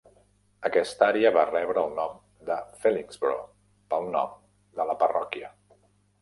Aquesta àrea va rebre el nom de Fellingsbro pel nom de la parròquia.